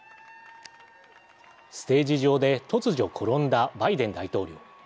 ステージ上で突如転んだバイデン大統領。